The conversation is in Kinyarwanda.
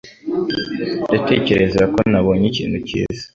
Ndatekereza ko nabonye ikintu cyiza.